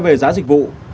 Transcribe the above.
về giá dịch vụ